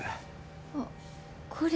あっこれ。